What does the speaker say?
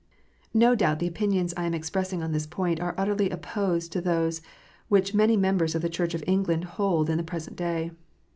No doubt the opinions I am expressing on this point are utterly opposed to those which many members of the Church of England hold in the present day.